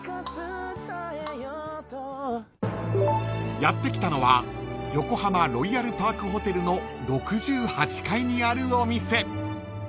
［やって来たのは横浜ロイヤルパークホテルの６８階にあるお店］